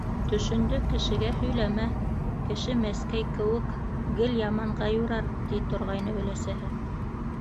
«Төшөндө кешегә һөйләмә, кеше мәскәй кеүек - гел яманға юрар», - ти торғайны өләсәһе.